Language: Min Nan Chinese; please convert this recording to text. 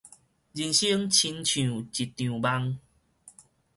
人生親像一場夢